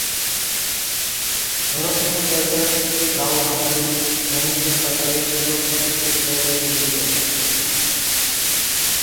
নরসিংহাচারিয়ারর, রাও বাহাদুর মহীশূর সরকারের প্রত্নতত্ত্ব বিভাগের ডিরেক্টর।